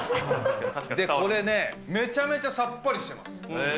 これね、めちゃめちゃさっぱりしてます。